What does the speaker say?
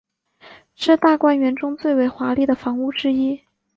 是大观园中最为华丽的房屋之一。